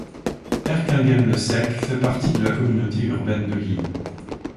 Erquinghem-le-Sec fait partie de la Communauté urbaine de Lille.